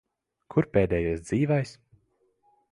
Kur pēdējais dzīvais?